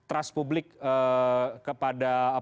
ras publik kepada apa